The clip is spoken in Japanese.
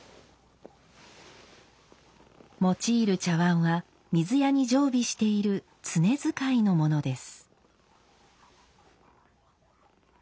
用いる茶碗は水屋に常備している「常使い」のものです。